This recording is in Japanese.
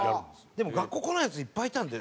でも学校来ないヤツいっぱいいたんで。